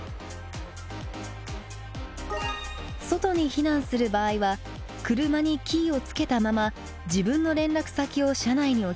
外に避難する場合は車にキーをつけたまま自分の連絡先を車内に置きます。